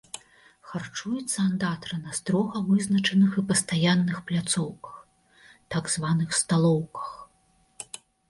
Харчуецца андатра на строга вызначаных і пастаянных пляцоўках, так званых, сталоўках.